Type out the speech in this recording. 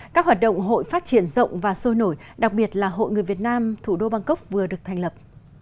các hoạt động hội phát triển rộng và sôi nổi đặc biệt là hội người việt nam thủ đô bangkok vừa được thành lập